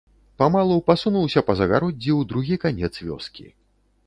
Памалу пасунуўся па загароддзі ў другі канец вёскі.